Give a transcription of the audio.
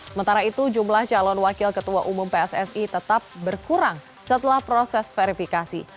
sementara itu jumlah calon wakil ketua umum pssi tetap berkurang setelah proses verifikasi